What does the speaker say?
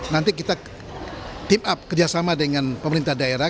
nanti kita team up kerjasama dengan pemerintah daerah